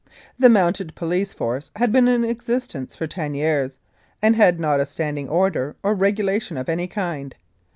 The Mounted Police Force had been in existence for ten years and had not a standing order or regulation of any kind.